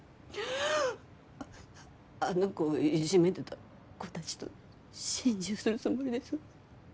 あの子をいじめてた子たちと心中するつもりです